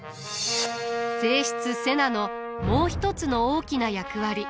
正室瀬名のもう一つの大きな役割。